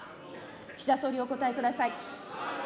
岸田総理、お答えください。